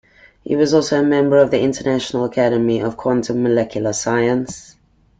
He was also a Member of the International Academy of Quantum Molecular Science.